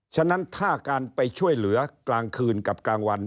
ฉะนั้นถ้าการไปช่วยเหลือกลางคืนกับกลางวัน